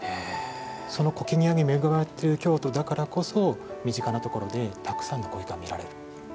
その苔庭に恵まれてる京都だからこそ身近なところでたくさんの苔が見られる。